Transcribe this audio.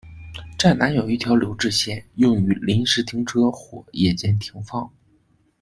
站南有一条留置线，用于临时停车或夜间停放。